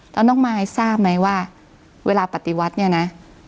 แล้วน้องมายทราบไหมว่าเวลาปฏิวัติเนี่ยนะ